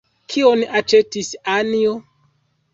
Kion aĉetis Anjo?